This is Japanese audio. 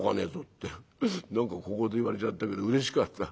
って何か小言言われちゃったけどうれしかった。